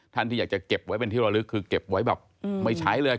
ที่อยากจะเก็บไว้เป็นที่ระลึกคือเก็บไว้แบบไม่ใช้เลย